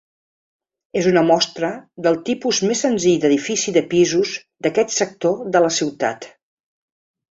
És una mostra del tipus més senzill d'edifici de pisos d'aquest sector de la ciutat.